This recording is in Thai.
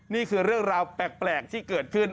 นี่คือเรื่องราวแปลกที่เกิดขึ้น